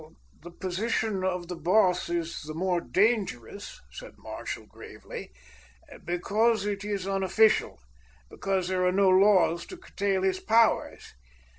"The position of the boss is the more dangerous," said Marshall gravely, "because it is unofficial, because there are no laws to curtail his powers.